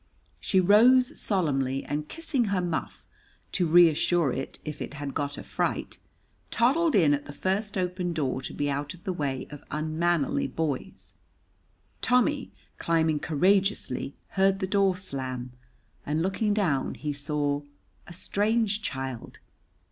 She rose solemnly, and kissing her muff, to reassure it if it had got a fright, toddled in at the first open door to be out of the way of unmannerly boys. Tommy, climbing courageously, heard the door slam, and looking down he saw a strange child.